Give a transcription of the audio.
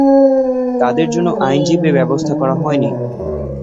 তাদের জন্য আইনজীবীর ব্যবস্থা করা হয়নি।